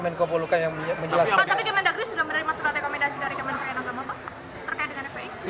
pak tapi kementerian negeri sudah menerima suara rekomendasi dari kementerian agama terkait dengan fpi